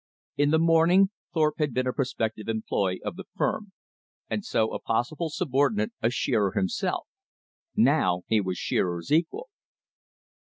In the morning Thorpe had been a prospective employee of the firm, and so a possible subordinate of Shearer himself. Now he was Shearer's equal.